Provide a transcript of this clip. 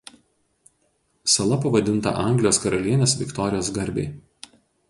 Sala pavadinta Anglijos karalienės Viktorijos garbei.